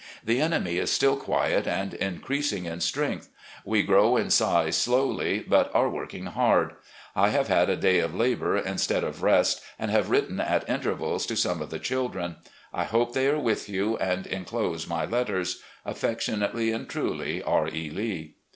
The enemy is still quiet and increasing in strength. We grow in size slowly but are working hard. I have had a day of labour instead of rest, and have written at intervals to some of the children. I hope they are with you, and inclose my letters. ... "Affectionately and truly, "R. E. Lee."